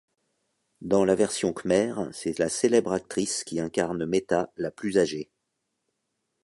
Dans la version khmère, c'est la célèbre actrice qui incarne Metha, la plus âgée.